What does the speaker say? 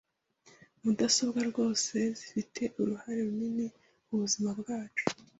Mudasobwa rwose zifite uruhare runini mubuzima bwacu,